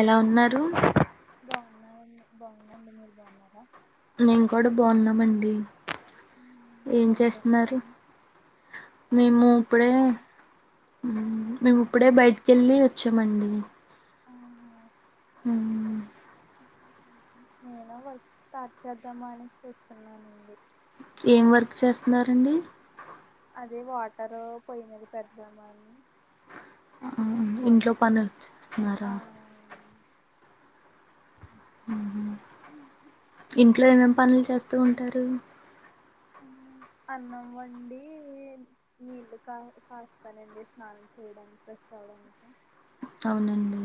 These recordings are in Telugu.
ఎలా ఉన్నారు న్నానండి బావుందండి మీరు బావున్నారా మేం కూడా బావున్నామండి ఏం చేస్తున్నారు ఏం మేము ఇప్పుడే చేయట్లేదండి మేము ఇప్పుడే బయటికెళ్ళి వచ్చామండి ఆహా హ్మ్ నేను వర్క్ స్టార్ట్ చేద్దామా అని చూస్తున్నానండి ఏం వర్క్ చేస్తున్నారండి అదే వాటర్ పోయ్యి మీద పెడదాం అని ఆ ఇంట్లో వాటర్ పనులు ఆ చేస్తున్నారా ఇంట్లో ఏమేమి పనులు చేస్తూ ఉంటారు అన్నం వండి నీళ్లు కా కాస్తానండి స్నానం చెయ్యడానికి ఫ్రెష్ అవ్వడానికి అవునండి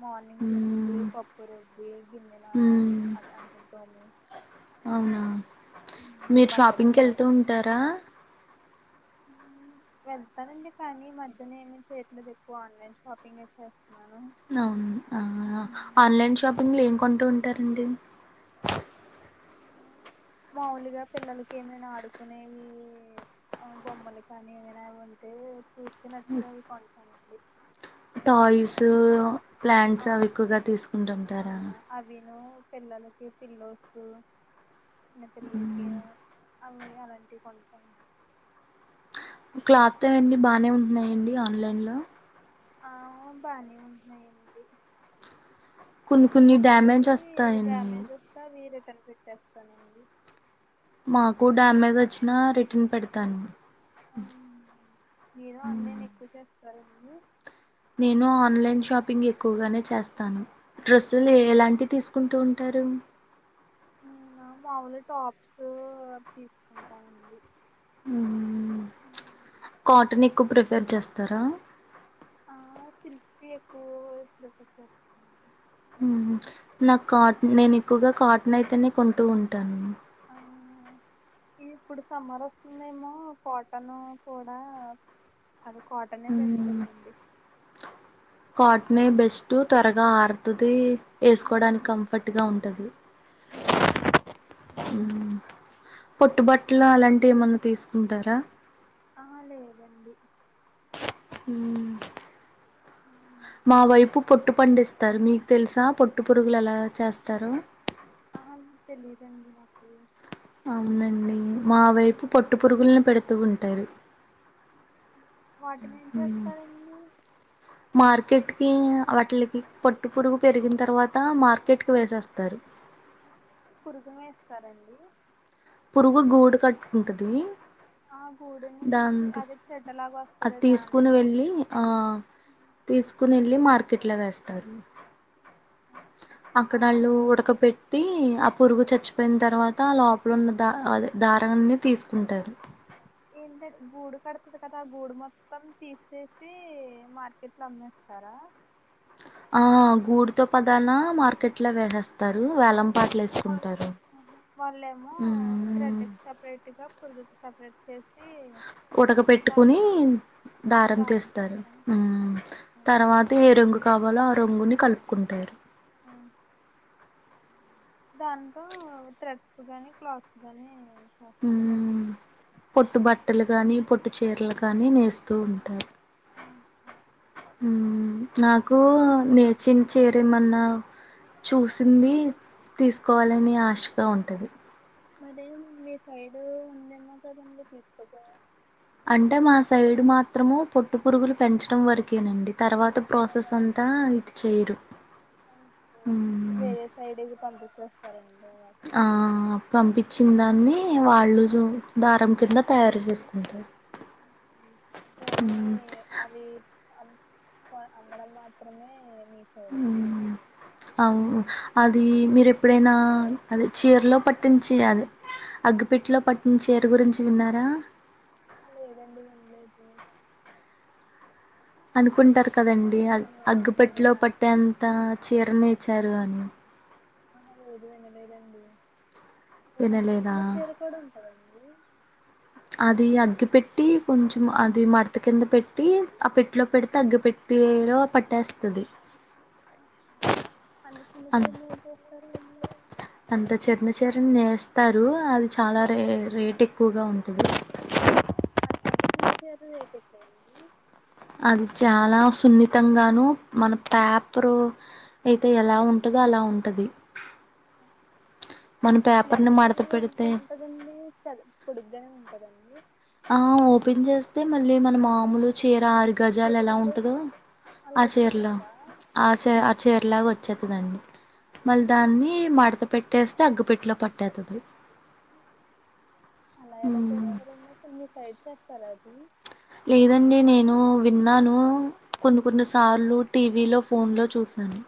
మార్నింగ్ టిఫిన్కి మ్మ్. పప్పు రుబ్బి గిన్నెన మ్మ్. అది అంటుల్ తోమి అవునా మీరు షాపింగ్కి వెళ్తూ బట్టలంటాదేమో ఉంటారా వెళ్తానండి కానీ ఈ మధ్యనేమీ చేయట్లేదు ఎక్కువ ఆన్లైన్ షాపింగే చేస్ అవును ఆ ఆన్లైన్ షాపింగ్ లో ఏం కొంటూంట్ టారండి మాములుగా పిల్లలకి ఏమైనా ఆడుకునేవి బొమ్మలు కానీ ఏమైనా ఉంటే చూస్తే నచ్చిదవి కొంటానండి టాయిసు ఆ ప్లాంట్స్ అవి ఎక్కువగా ఆ తీసుకుంటుంటారా అవిను పిల్లలకి పిల్లోస్ చిన్న పిల్లలకి అవ్వి అలాంటివి కొంటా క్లాత్ అయన్నీ బానే ఉంటున్నాయండి ఆన్లైన్ లో అవ్ బానే ఉంటున్నాయండి కొన్ని కొన్ని డ్యామేజ్ ఒక్కొక్కటి వస్తాయని డ్యామేజ్ వస్తాది [unintelligible] క్కన పెట్టేస్తానండి మాకు డ్యామేజ్ వచ్చినా రిటర్న్ పెడతాను అం మీరు ఆన్లైన్ ఎక్కువ చేస్ తరండి నేను ఆన్లైన్ షాపింగ్ ఎక్కువగానే చేస్తాను డ్రెస్సులు నేను ఎలాంటి తీసుకుంటూన్ టరు నేనా మాముూలు టాప్స్ అవి తీసుకుంటానండి ఉమ్మ్ కాటనిక్ ఎక్కువ ప్రిఫేర్ చేస్తారా ఆ సిల్ప్ ఎక్కువకస్తాంది హ నా కార్ట్ నేను ఎక్కువగా కార్ట్ నైతేనే కొంటూ ఉంటాను ఆ ఇప్పుడు సమ్మర్ వస్తుందేమో కాటన్ కూడా అది కాటనే బెస్ట్ లేండి కాట్నే బెస్ట్ త్వరగా ఆర్ టది వేసుకోవడానికి ఉమ్, కంఫర్ట్గా ఉంటుంది ఉమ్. పొట్టుబట్టల అలాంటివి ఏమన్నా తీసుకుంటారా. ఆహా లేదండి మ్మ్ మ్మ్ మా వైపు పొట్టు పండిస్తారు మీకు తెలుసా పొట్టు పురుగులు ఎలా చేస్తారు. ఆ తెలిదండి నాకు అవునండి మా వైపు ఉమ్. పొట్టు పురుగులను పెడుతూ ఉంటాంది వాటిని ఏం అంటారు చేస్తారండి మార్కెట్ హ్మ్ వాటిల్కి పోట్టు పురుగు పెరిగిన తర్వాత మార్కెట్ కి వేసేస్తారు. పురుగుమేస్తారండి పురుగు గుడు కట్టుకుంటది. ఆ గూడెని తీసి దాంతో అదే చెడ్డలాగా అది వస్తాది తీసుకుని దాన్ని వెళ్ళి ఆ కిట్లా వేస్తారు. ఆ అక్కడ అళ్ళు ఉడకబెట్టి అప్ పురుగు చచ్చిపోయిన తర్వాత అలా ఇప్పుడున్న ద అదే దారన్ని తీసుకుంటారు. ఏంటం గూడు కడ్తది కదా గూడు మొత్తం తీసేసి మార్కెట్ లో అమ్మేస్తారా? ఆ గూడుతో పదానా మార్కెట్ లో వేసేస్తా అమ్మో వాల్ హ్మ్ వాలేమ్మో మ్మ్ థ్రెడ్కి సపరేట్గా పురుగుకి సప్ ప్రేడ్ చేస్ ఉడక పెట్టుకుని దారం తీస్తారు హ్మ్ తర్వాత ఏ రంగు కావాలో ఆ రంగుని కలుపుకుంటారు. దాంతో థ్రెడ్స్ గానీ, క్లాత్స్ గాని, చేస్తారండి పొట్టు బట్టలు కాగాని పొట్టు చీరలు కాని నేను స్త ఆ ఉంటారు ఓకే నాకు నేర్చిన చేరేమన్నా చూసింది తీసుకోవాలని ఆశగా ఉంటది మరి మీ సైడ్ ఉందేమో కదీ తీసుకోదం అంటే మా సైడ్ మాత్రము పొట్టు పురుగులు పెంచడం వరకేనండి తర్వాత ప్రాసెస్ అవర్ అంతా ఇటు చేయరు పరండి ఆ పంపించిన దాన్ని వాళ్ళు దారం కింద తయారు చేసుకుంటారు కొన్ని మ్మ్ అవి అమ్మడం మాత్రమే మీ సైడ్ అండి అవు అది మీర ఎప్పుడైనా ఆది చీరలో పట్టించి అద అగ్గిపెట్లో పట్టిన చీర గురించి విన్నారా ఆ లేదండి ఏనలేదు అనుకుంటారు కదండి వింటున్నాను మీరు అగ్పెట్లో పట్టే దాన్ని అంత చీరనే ఇచారు అని ఆ లేదు వినలేదండి అంత వినలేదా చిన్న చీర కూడా ఉంటందండి అది అగ్గి పెెట్టి కొంచెం అది మడత కింద పెట్టి ఆ పెట్లో పెడితే తగ్గి పెట్టటిలో పట్టేస్తుది అంత చిన్న అ చీరను ఏం చేస్తారండి అంత చిన్న చెర నేస్త ఇస్తారు అది చాలా రే రేట్ ఎక్కువగా ఉంటుంది అ అంత చిన్న చీర రేట్ ఎక్కువండి అది చాలా సున్నితంగాను మన పేపరు అయితే ఎలా ఉంటందో అలా ఉంటది మన ఇల పేపర్ని ఎంత మడత ఎంత పెడితే ఉంటదండి పొడుగగానే ఉంటుంది కదండి ఆ ఓపెన్ చేస్తే మళ్ళీ మన మామూలు చే ఆరు గజాలు ఎలా చెరువులాగా ఉంటదో అలా ఆ చీరలో వచ్చేస్తదా ఆ చ ఆ చీర లాగా వచ్చ వచ్చేత దాన్ని మళ్ళీ దాన్ని మడత పెట్టేస్తే అగ్గుపెట్లో పట్టేతుది అలా ఎలా మ్ చేస్తారుండి అసలు మీ సైడ్ చేస్తారు అది లేదండి నేను విన్నాను కొన్ని కొన్ని సార్లు టీవీలో ఫోన్లో చూసినాను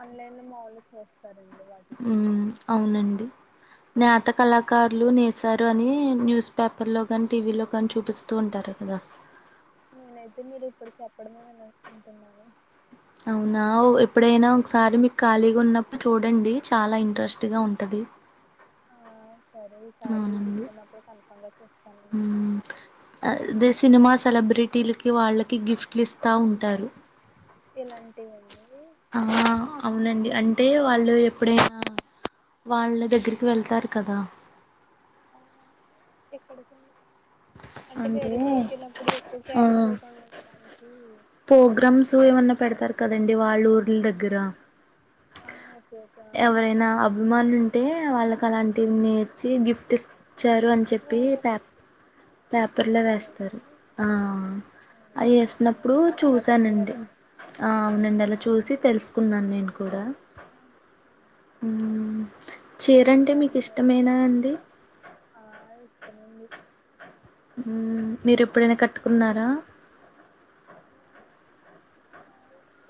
ఆన్లైన్ లో మాములు చూస్తా ఉ అవునండి నేత కళాకారులు నసారి అని న్యూస్ పేపర్లో కనీ టీవీలో కాని చూపిస్తూ ఉంటారు కదా నేనైతే మీరు ఇప్పుడు చెప్పడమే అను అనుకుంటున్నాను అవునా ఎప్పుడైనా ఒకసారి మీకు ఖాళీగున్నప్ చూడండి చాల ఇంట్రెస్ట్గా ఉంటది హ్మ్ సరే ఈ సారి అవునండి గుస్తున్నప్పుడు కల్పంగా చూస్త అదే సినిమా సెలబ్రిటీలకి వాళ్ళకి గిఫ్ట్లు ఇస్తా ఉంటారు ఇలాంటివండి ఆ అవునండి అంటే వాళ్ళు ఎప్పుడైనా వాళ్ళ దగ్గరికి వెళ్తారు కదా ఆ ఇక్కడికి అంటే వేరే చోటుక వెళ్ళప్పుడు ఎక్కువ ఆ క్యారీ చేయకుండా ఉండడానికి ప్రోగ్రామ్స్ ఏమన్నా పెడతారు కదండి వాళ్ళ ఊర్ళ దగ్గర ఆఓ ఎవరైనా అభిమానులు ఉంటే వాళ్ళకి అలాంటివి నేర్చి గిఫ్ట్ వచ్చారు అని ఓ చెప్పి పే పేపర్లో ఇస్తారండి వేస్తారు ఓకే అవి ఓకే. వేసినప్పుడు అవ్ అలా చూసానండి చూసారండి అవునండి అలా చూసి తెలుసుకున్నాను నేను కూడా హ్మ్మ్ ఈసారి మీరు వచ్చే ఇష్టముంద మీరు ఎప్పుడైనా కట్టుకున్నారా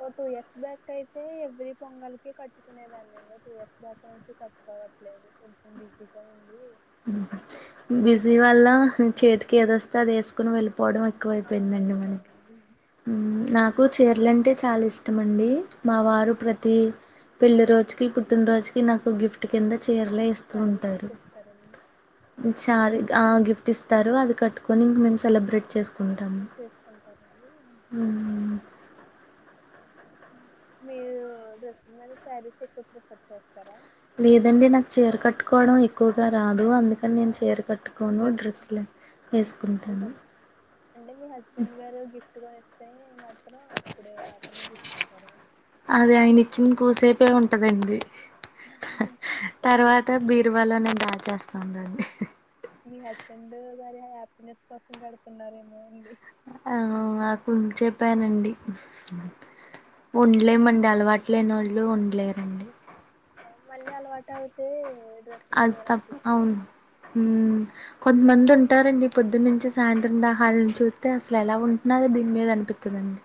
ఓ టూ ఇయర్స్ బ్యాక్ అయితే ఎవ్రీ పొంగలికి కట్టుకునేదాన్నిడి టూ ఇయర్స్ బ్యాక్ నుంచి కట్టుకోవట్లేదు కొంచెం బిజిగా ఉంది బిజీ వల్ల చేతికి ఏదొ వస్తే అది వేసుకోని వెళ్ళిపో పోడం ఎకు ఆ అయిపోందండి మనకి అంతేనండి మ్మ్ నాకు చీరలంటే చాలా ఇష్ టమండి మా వా రు ప్రతి పెళ్లి రోజుకి పుట్టినరోజుకి నాకు గిఫ్ట్ కింద చీరలే ఇస్తూ శారీ ఉంటారు గిఫ్ట్ ఇస్తారండి చారీ ఆ గిఫ్ట్ ఇస్తారు అది కట్టుకొని ఇంగ మేం. సెలబ్రేట్ చేసు చేసుకుంటారండి మ్మ్ హ్మ్ మీరు డ్రెస్సింగ్ మీదకి శారీస్ ఎక్కువ ప్రిఫర్ చేస్తారా లేదండి నాకు చీర కట్టుకోవడం ఎక్కువగా రా దు అందుకనే నేను ఆ! చీర కట్టుకోను డ్రెస్ డ్రెస్స్ లే ప్రిఫర్ వేసుకుంటాను, హ్మ్ ప్టుగా ఇస్తే మా అది ఆయనిచ్చిన కూసేపుం టదండి అయ్యో తర్వాత బీర్వాలోనేను దాచేస్తానండి వారి హ్యాపీనెస్ కోసం కడుతున్నారేమో అంది ఆ నాకు చెప్పానండి ఉండలేమం అలవాట్ లేనోళ్ళు ఉండలేరండి అవును, మళ్ళీ అలవాటు అవుతే డ్రెస్సులు అది తప్ప అవును వేయాలనిపిస్తుంది కొంత మంది ఉంట ఉంటారండి పొద్దు నుంచి సాయంత్రం దానిమీద చూస్తే అసలు ఎలా ఉంటున్నారో దీని మీద అనిపిత్తదండి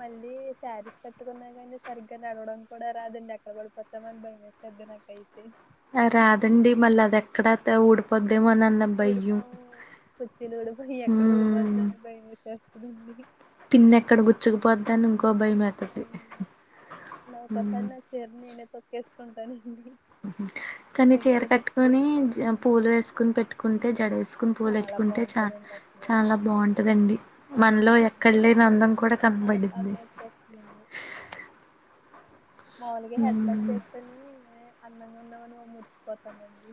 మళ్ళీ శారీస్ కట్టుకున్నా కానీ సరిగ్గా నడవడం కూడా రాదండి ఎక్కడ పడిపోతామ అని భయమే వేసేది నాకైతే రాదండి మళ్ళీ అది ఎక్కడ ఊడిపోద్దో ఊడిపోయి కుచ్చీలు ఊడిపోం ఎక్కడ ఊడిపోద్దో ఉమ్ అని భయమేసేస్తుందండి పిన్ ఎక్కడ గుచ్చుకుపోద్దని ఇంకో భయమేత్తది ఒక్కో ఉమ్ సారి నా చీర నేనే తొక్కేసి కొంటానే కానీ చీర కట్టుకొని జి పూలు వేసుకొని పెట్టు కుంటే జడే సుకుని పూలు చాలా ఎత్తుకుంటే చ బాగుంటదండి అసలు చాలా బాగుంటదండి ఆ మనలో ఎక్కడ లేని అందం కూడా ఆ- కనపడిద్ది అన్నం వచ్చేస్తుందండి మాములుగా హెడ్ బాత్ చేస్తేనే అందంగా ఉన్నామని మురిసిపోతామండి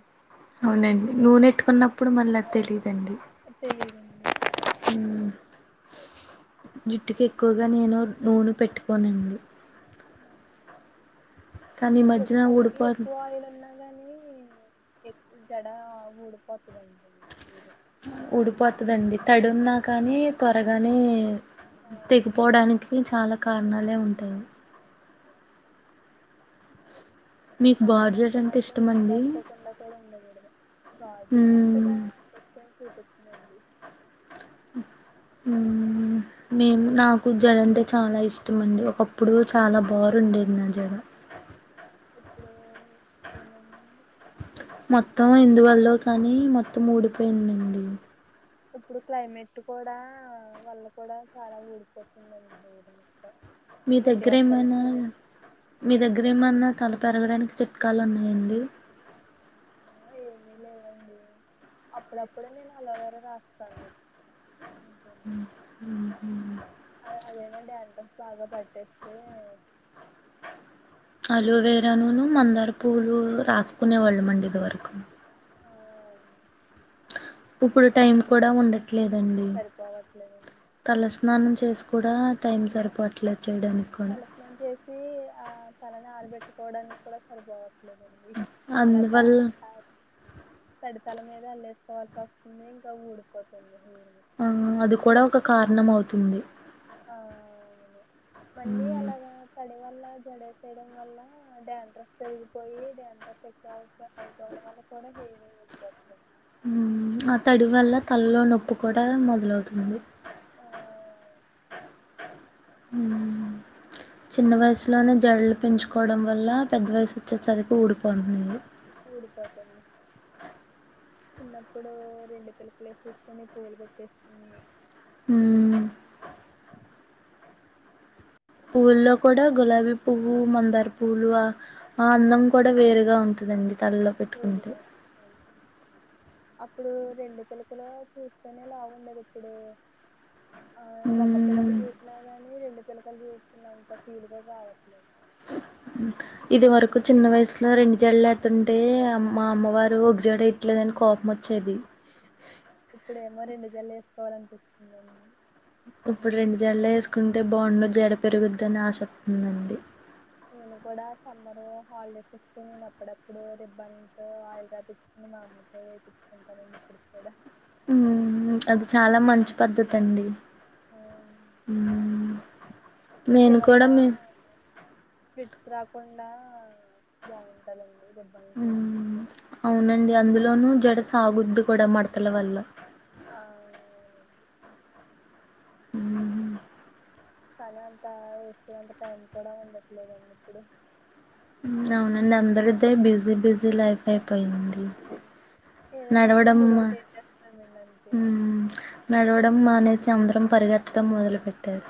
అవునండి నూనెట్టుకున్నప్పుడు మళ్ళీ తెలీదండి తెలిదండి హ్మ్ జుట్టుకి ఎక్కువగా నేను నూనె పెట్టుకోనండి కానీఈ మధ్యన తలకి ఊడిపోతం ఎక్కువ ఆయిల్ ఉన్నా అగాని ఎక్ జడ ఊడిపోత ఊడిపోతదండి తడి ఉన్నా కానీ త్వరగానే తెగిపోవడానికి చాలా కారణాలే ఉంటాయి మీకు అలానే బార్జెట్ అత్త అంటే మాటలో నూనె ఇష్టమండి రాసుకోకుండా కూడా ఉండకూడదు గాజులు అంతగా ఉమ్ చూపి [inaudible] హ్మ్ మేము నాకు జడ అంటే చాలా ఇష్టం అండి ఒకప్పుడు చాలా బారు ఉండేది నా జడ ఇప్పుడు ఏమైందండి మొత్తం ఎందువల్లో కానీ మొత్తం ఊడిపోయిందండి ఇప్పుడు క్లైమేట్ కూడా వల్ల కూడా చాలా ఊడిపోతుందండి అది మొత్తం మీ ప్రతి దగ్గరే ఒక్కరికి మైనా అదే మీ దగ్గరేమన్న తల పెరగడానికి చె కాలు ఉన్నాయండి సమయంలో ఏమీ లేవండి అప్పుడప్పుడు నేను అలోవేర రాస్తాను అంతే అదే అదైనా డాండ్రఫ్ బాగా పట్టేస్తే అలోవేరా నూను అని, మందార పూలు రాసు కొనేవాళ్ళమండి ఇది వరకు ఆ ఇప్పుడు టైం కూడా ఉండ ట్లేదండి సరిపోవట్లేదండి తలస్నానం చేస్ కూడా టైం సరిపోవట్లేదు చేయడానికి కూడా తలస్నానం చేసి ఆ తలని ఆరబెట్టుకు కోవడానికి కూడా సరిపోవట్ ట్లేదండి అలా త అందువల్ల తడి తల మీద అల్లేసుకోవాల్సి వస్తుంది ఇంకా ఊడిపోతుంది హెయిర్ తుంది అ మళ్ళీ మ్మ్. అలాగా తడి డి వల్ల జడేసేయడం వల్ల డ్యాండ్రఫ్ పెరిగిపోయి డ్యాండ్రఫ్ ఎక్కువ అయిపోవడం వల్ల కూడా హేయిరు ఊడిపోతుంది ఉమ్మ్ ఆ తడి వల్ల తలలో నొప్పి కూడా మొదలవుతుంది ఆ మ్మ్ చిన్న వయసులోనే జడలు పెంచుకోవడం వల్ల పెద్ద వయసు వచ్చేసరికి ఊడిపోతుంది ఊడిపోతుంది చిన్నప్పుడు రెండు పిలకలు వేసేసుకొని పూలు పెట్టేసుకొని ఉమ్ పువ్వుల్లో కూడా గులాబీ పువ్వు మందార పూలు ఆ అందం కూడా వేరుగా ఉంటుదండి తల్లో పెట్టుకుంటే వేరుగా అవును. అప్పుడు రెండు పిలకలు చూస్తేనే లావుండేది ఇప్పుడు ఆయ్ ఒక్క పిలక చూసినా గాని రెండు పిలకలు చూస్తున్నంత ఫీల్ కూడా రావట్లేదు ఇది వరకు చిన్న వయసులో రెండు జడలేత్తుంటే మా అమ్మవారు ఒక జడ ఎయ్యట్లేదని కోపమొచ్చేది ఇప్పుడేమో రెండు జడలేసుకోవాలనిపిస్తుందండి ఇప్పుడు రెండు జడలు ఏసుకుంటే బావుండు జడ పెరుగుద్దని ఆశ వొత్తుందండి నేను కూడా సమ్మర్ హాలిడేస్ వస్తే నేను అప్పుడప్పుడు రిబ్బన్తో ఆయిల్ రాపిచ్చుకుని మా అమ్మతో వేపిచ్చుకుంటానండి ఇప్పుడు క్కూడా ఉమ్మ్ అది చాలా మంచి పద్ధతి అండి మ్మ్ నేను కూడా చివరిలా మీ ఫిట్స్ రాకుం కుండా బావుంటాదం ఉమ్మ్ అవునండి అందులోనూ జడస్ ఆగుద్ది కూడా మడతల వల్ల అ మ్మ్ కానీ అంత వేసుకునే అంత టైం కూడా ఉండట్లేదండి ఇప్పుడు ఉమ్ అవునండి అందరిదే బిజీ బిజీ లైఫ్ అయిపోయింది ఉమ్, ఏదైనా అయితే నడవడం మూడొకటి వేసేస్తున్నామండి అంతే ఉమ్మ్ నడవడం మానేసి అందరం పరిగెత్తటం మొదలు పెట్టారు